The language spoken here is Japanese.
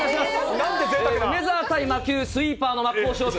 梅澤対魔球、スイーパーの真っ向勝負。